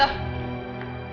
kamu lah apa sih